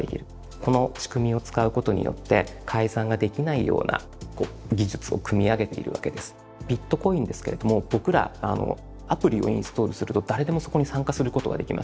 この仕組みを使うことによってビットコインですけれども僕らアプリをインストールすると誰でもそこに参加することができます。